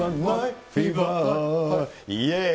イエーイ。